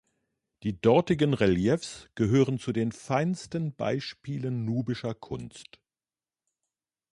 Die dortigen Reliefs gehören zu den feinsten Beispielen nubischer Kunst.